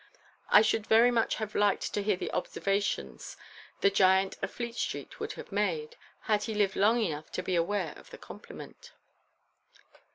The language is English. I should very much have liked to hear the observations the Giant of Fleet Street would have made, had he lived long enough to be aware of the compliment.